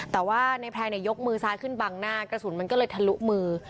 แต่ว่าในแพร่ยกมือซ้ายขึ้นบังหน้ากระสุนมันก็เลยทะลุมือ